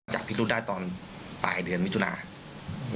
จับพิรุดได้ตอนปลายเดือนวิทยุนาธิ์